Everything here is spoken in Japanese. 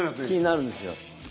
気になるんですよ。